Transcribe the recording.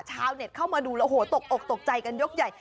ชาวเน็ตเข้ามาดูตกใจกันยกใหญ่